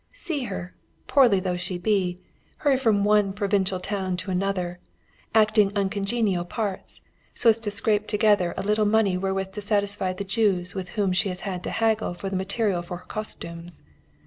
See her, poorly though she be, hurry from one provincial town to another, acting uncongenial parts, so as to scrape together a little money wherewith to satisfy the Jews with whom she has to haggle for the material for her costumes.